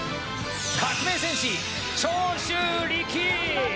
革命戦士、長州力！